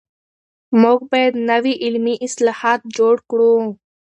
موږ بايد نوي علمي اصطلاحات جوړ کړو.